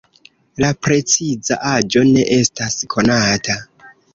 La preciza aĝo ne estas konata.